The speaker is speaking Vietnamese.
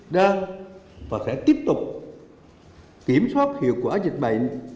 đang và sẽ tiếp tục kiểm soát hiệu quả dịch bệnh